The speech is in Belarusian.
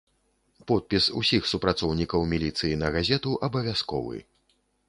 Подпіс усіх супрацоўнікаў міліцыі на газету абавязковы.